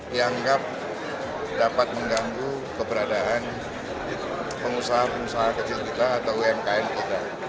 dianggap dapat mengganggu keberadaan pengusaha pengusaha kecil kita atau umkm kita